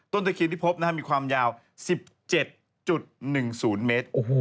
ต้นตะคริ้นที่พบนะครับมีความยาว๑๗๑๐เมตร